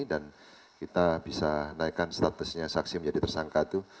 dan kita bisa naikkan statusnya saksi menjadi tersangka itu